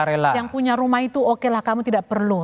iya yang punya rumah itu oke lah kamu tidak perlu